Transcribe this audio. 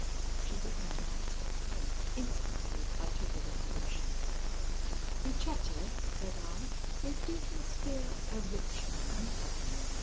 She did not answer. Instantly I took a resolution. "Lucetta," said I, "is Deacon Spear a rich man?"